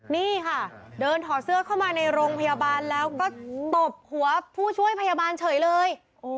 นี่ค่ะเดินถอดเสื้อเข้ามาในโรงพยาบาลแล้วก็ตบหัวผู้ช่วยพยาบาลเฉยเลย